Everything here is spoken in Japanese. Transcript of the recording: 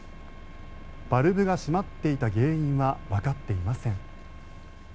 バルブが閉まっていた原因はわかっていません。